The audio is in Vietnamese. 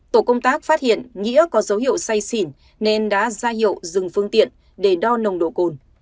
tổ công tác phát hiện nghĩa có dấu hiệu say xỉn nên đã ra hiệu dừng phương tiện để đo nồng độ cồn